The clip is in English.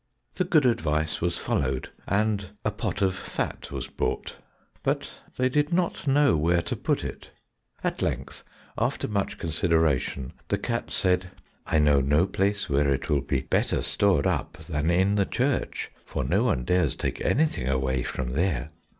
The good advice was followed, and a pot of fat was bought, but they did not know where to put it. At length, after much consideration, the cat said, "I know no place where it will be better stored up than in the church, for no one dares take anything away from there.